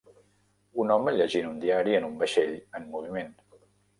Un home llegint un diari en un vaixell en moviment.